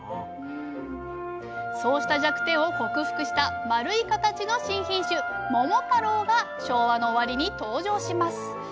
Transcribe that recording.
そうした弱点を克服した丸い形の新品種「桃太郎」が昭和の終わりに登場します。